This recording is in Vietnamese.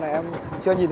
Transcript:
dạ em mời anh